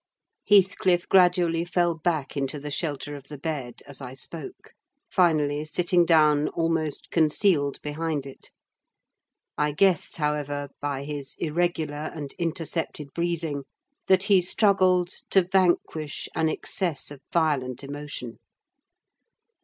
Heathcliff gradually fell back into the shelter of the bed, as I spoke; finally sitting down almost concealed behind it. I guessed, however, by his irregular and intercepted breathing, that he struggled to vanquish an excess of violent emotion.